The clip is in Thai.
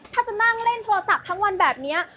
ถ้าจะนั่งเล่นโทรศัพท์ทั้งวันแบบนี้